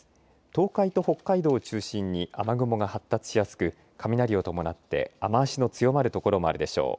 東海と北海道を中心に雨雲が発達しやすく雷を伴って雨足の強まる所もあるでしょう。